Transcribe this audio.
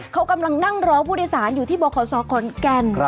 เขากำลังนั่งรอผู้โดยสารอยู่ที่บขศขอนแก่น